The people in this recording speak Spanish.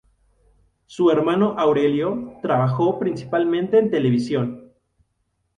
Su hermano Aurelio, trabajó principalmente en televisión.